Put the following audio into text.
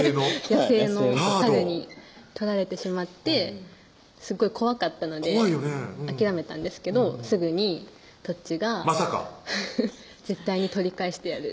野生の猿に取られてしまってすごい怖かったので諦めたんですけどすぐにとっちがまさか「絶対に取り返してやる」